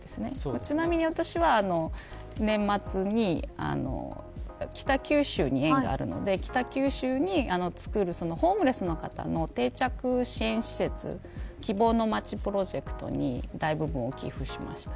ちなみに、私は年末に北九州に縁があるので北九州につくるホームレスの方の定着支援施設希望の町プロジェクトに大部分を寄付しました。